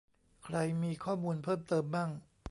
ใครมีข้อมูลเพิ่มเติมมั่ง